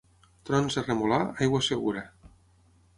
Trons a Remolar, aigua segura.